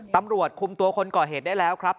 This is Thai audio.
ตำรวจคุมตัวคนก่อเหตุได้แล้วครับ